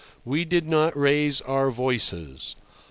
We did not raise our voices.